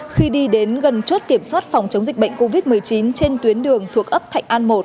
khi đi đến gần chốt kiểm soát phòng chống dịch bệnh covid một mươi chín trên tuyến đường thuộc ấp thạnh an một